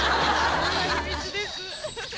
それは秘密です。